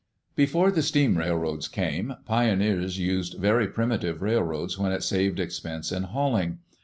Before the steam railroads came, pioneers used very primitive railroads, when it saved expense in hauling.